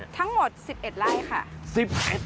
ทั้งหมด๑๑ไร่ค่ะ